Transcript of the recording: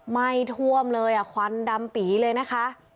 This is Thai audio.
ไหม้ท่วมเลยควันดำปีเลยนะคะ